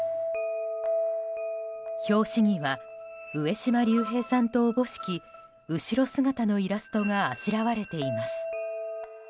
表紙には上島竜兵さんと思しき後ろ姿のイラストがあしらわれています。